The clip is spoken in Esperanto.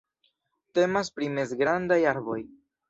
Temas pri mezgrandaj arboj.